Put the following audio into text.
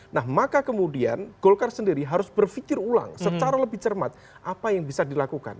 nah maka kemudian golkar sendiri harus berpikir ulang secara lebih cermat apa yang bisa dilakukan